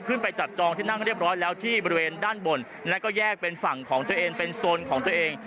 ไปจับจองที่นั่งเรียบร้อยแล้วที่บริเวณด้านบนแล้วก็แยกเป็นฝั่งของตัวเองเป็นโซนของตัวเอง